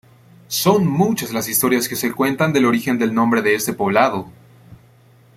Son muchas las historias que se cuentan del origen del nombre de este poblado.